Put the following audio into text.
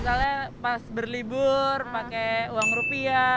misalnya pas berlibur pake uang rupiah